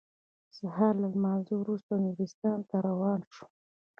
سهار له لمانځه وروسته نورستان ته روان شوم.